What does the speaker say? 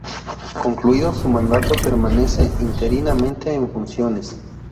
Concluido su mandato, permanece interinamente en funciones.